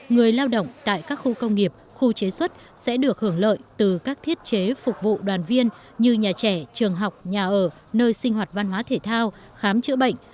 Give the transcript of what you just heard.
người lao động tại các khu công nghiệp khu chế xuất sẽ được hưởng lợi từ các thiết chế phục vụ đoàn viên như nhà trẻ trường học nhà ở nơi sinh hoạt văn hóa thể thao khám chữa bệnh